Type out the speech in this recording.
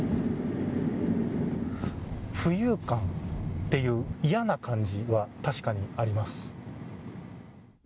浮遊感っていう嫌な感じは確かにあります。